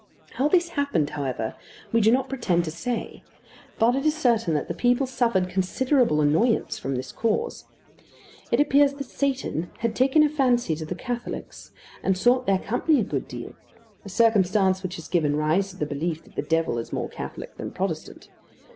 How this happened, however, we do not pretend to say; but it is certain that the people suffered considerable annoyance from this cause. It appears that Satan had taken a fancy to the Catholics, and sought their company a good deal; a circumstance which has given rise to the belief that the devil is more Catholic than Protestant.